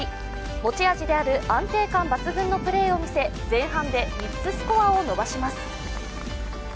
持ち味である安定感抜群のプレーを見せ前半で３つスコアを伸ばします。